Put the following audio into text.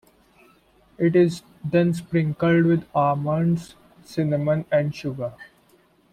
It is then sprinkled with almonds, cinnamon and sugar.